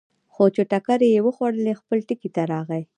خو چې ټکرې یې وخوړلې، خپل ټکي ته راغی.